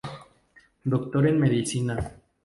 Doctor en medicina.